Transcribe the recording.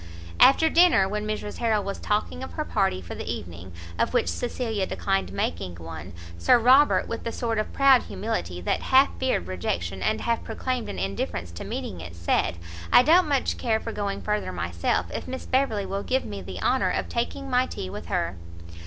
After dinner, when Mrs Harrel was talking of her party for the evening, of which Cecilia declined making one, Sir Robert, with a sort of proud humility, that half feared rejection, and half proclaimed an indifference to meeting it, said, "I don't much care for going further myself, if Miss Beverley will give me the honour of taking my tea with her."